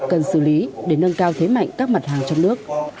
cần xử lý để nâng cao thế mạnh các mặt hàng trong nước